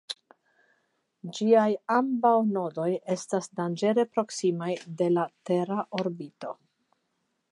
Ĝiaj ambaŭ nodoj estas danĝere proksimaj de la tera orbito.